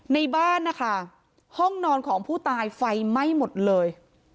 ในบ้านนะคะห้องนอนของผู้ตายไฟไหม้หมดเลย